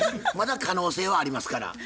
まだ可能性はありますから。